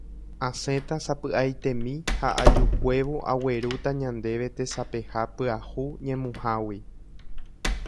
Asẽta sapy'aitemi ha ajukuévo aguerúta ñandéve tesapeha pyahu ñemuhágui.